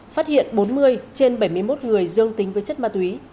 phát hiện bốn mươi trên bảy mươi một người dương tính với chất ma túy